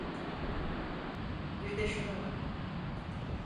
Bir de şuna bak.